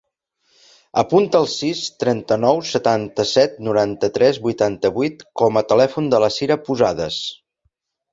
Apunta el sis, trenta-nou, setanta-set, noranta-tres, vuitanta-vuit com a telèfon de la Cira Posadas.